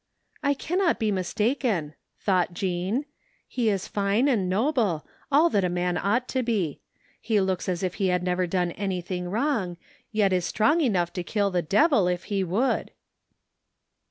" I cannot be mistaken," thought Jean. " He is fine and noble — all that a man ought to be. He looks as if he had never done anything wrong, yet is strong enough to kill the devil if he would."